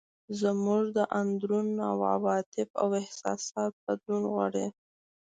زموږ د اندرون عواطف او احساسات بدلول غواړي.